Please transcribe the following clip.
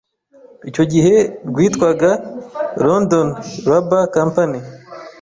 icyo gihe rwitwaga London Rubber Company.